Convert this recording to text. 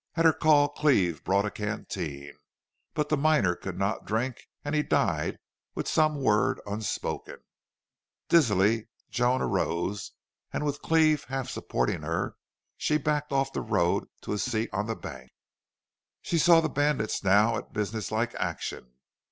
At her call Cleve brought a canteen. But the miner could not drink and he died with some word unspoken. Dizzily Joan arose, and with Cleve half supporting her she backed off the road to a seat on the bank. She saw the bandits now at business like action.